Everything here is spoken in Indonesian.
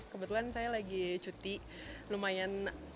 kebetulan saya lagi cuti lumayan